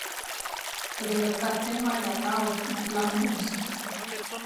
E de vertat que non ère atau, ne plan mens.